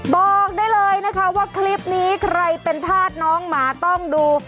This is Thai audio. บอกได้เลยนะคะว่าคลิปนี้ใครเป็นธาตุน้องหมาต้องดู